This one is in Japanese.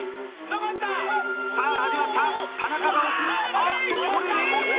あっとこれで？